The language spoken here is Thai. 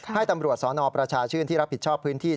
ให้ตำรวจสนประชาชื่นที่รับผิดชอบพื้นที่